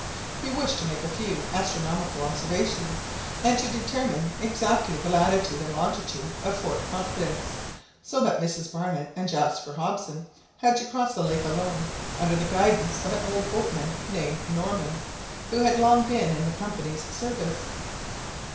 He wished to make a few astronomical observations, and to determine exactly the latitude and longitude of Fort Confidence; so that Mrs Barnett and Jaspar Hobson had to cross the lake alone, under the guidance of an old boatman named Norman, who had long been in the Company's service.